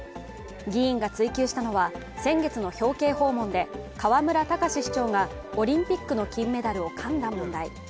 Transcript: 議員が追及したのは、先月の表敬訪問で河村たかし市長がオリンピックの金メダルをかんだ問題。